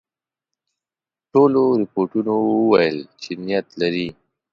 ټولو رپوټونو ویل چې نیت لري.